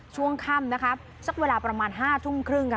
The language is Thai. ช่วงค่ำนะคะสักเวลาประมาณ๕ทุ่มครึ่งค่ะ